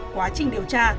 quá trình điều tra